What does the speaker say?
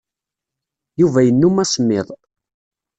Yuba yennum asemmiḍ.